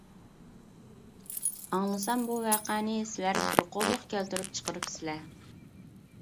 ئاڭلىسام بۇ ۋەقەنى سىلەر بىر قوللۇق كەلتۈرۈپ چىقىرىپسىلەر.